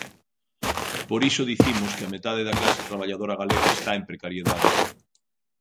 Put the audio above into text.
Por iso dicimos que a metade da clase traballadora galega está en precariedade.